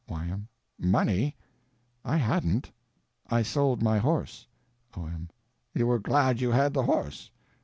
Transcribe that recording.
Y.M. Money? I hadn't. I sold my horse. O.M. You were glad you had the horse?